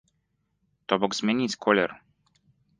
То бок змяніць колер.